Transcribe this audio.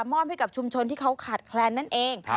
มอบให้กับชุมชนที่เขาขาดแคลนนั่นเอง